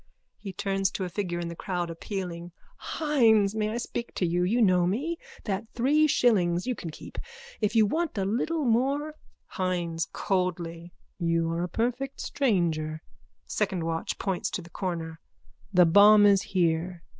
(He turns to a figure in the crowd, appealing.) Hynes, may I speak to you? You know me. That three shillings you can keep. If you want a little more... HYNES: (Coldly.) You are a perfect stranger. SECOND WATCH: (Points to the corner.) The bomb is here.